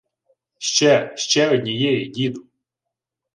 — Ще, ще однієї, діду!